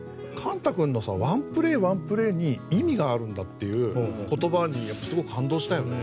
幹汰君のさ「１プレー１プレーに意味があるんだ」っていう言葉にやっぱすごい感動したよね。